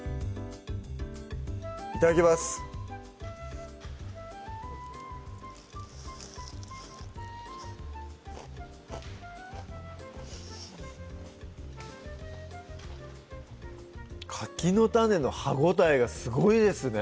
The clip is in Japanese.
いただきますかきの種の歯応えがすごいですね